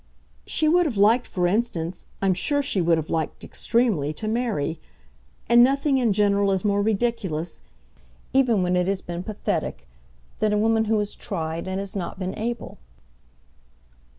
"She would have liked for instance I'm sure she would have liked extremely to marry; and nothing in general is more ridiculous, even when it has been pathetic, than a woman who has tried and has not been able."